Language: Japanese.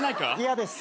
嫌です。